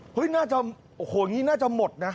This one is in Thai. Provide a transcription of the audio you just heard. โอ้โหอย่างงี้น่าจะหมดนะ